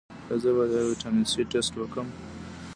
ایا زه باید د ویټامین سي ټسټ وکړم؟